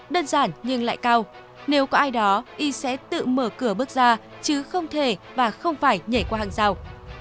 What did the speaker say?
đơn giản nhưng lại cao nếu có ai đó y sẽ tự mở cửa bước ra chứ không thể và không phải nhảy qua hàng rào